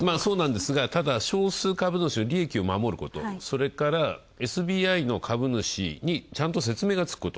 ただ少数株主の利益を守ること、それからＳＢＩの株主にちゃんと説明がつくこと。